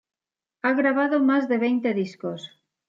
Ha grabado más de veinte discos.